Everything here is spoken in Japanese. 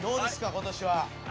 今年は。